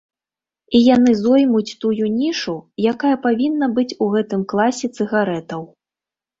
І яны зоймуць тую нішу, якая павінна быць у гэтым класе цыгарэтаў.